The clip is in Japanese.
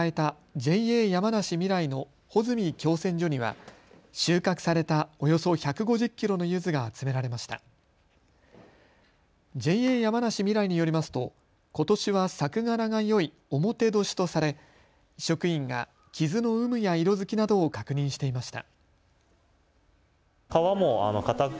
ＪＡ山梨みらいによりますとことしは作柄がよい表年とされ、職員が傷の有無や色づきなどを確認していました。